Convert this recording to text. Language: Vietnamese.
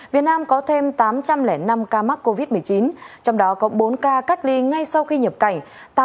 việt nam có thêm tám trăm linh năm ca mắc covid một mươi chín trong đó có bốn ca cách ly ngay sau khi nhập cảnh